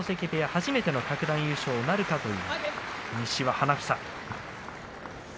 初めての各段優勝なるかという西の花房。